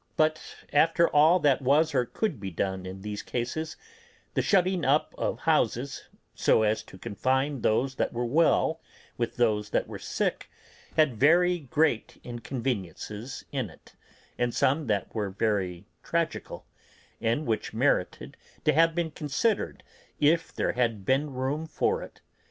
But after all that was or could be done in these cases, the shutting up of houses, so as to confine those that were well with those that were sick, had very great inconveniences in it, and some that were very tragical, and which merited to have been considered if there had been room for it.